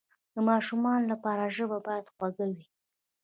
د ماشومانو لپاره ژبه باید خوږه وي.